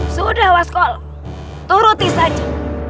sudah waskol turuti saja